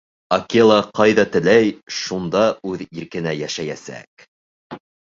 Акела ҡайҙа теләй, шунда үҙ иркенә йәшәйәсәк.